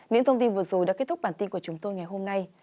những thông tin vừa rồi đã kết thúc bản tin của chúng tôi ngày hôm nay